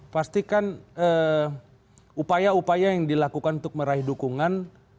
pastikan upaya upaya yang dilakukan untuk meraih dukungan